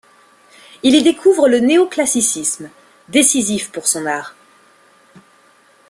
Il y découvre le néoclassicisme, décisif pour son art.